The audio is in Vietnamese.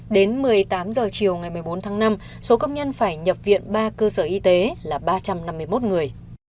đến một mươi tám h chiều ngày một mươi bốn tháng năm số công nhân phải nhập viện ba cơ sở y tế là ba trăm năm mươi một người